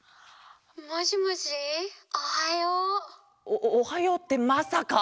おおはようってまさか！？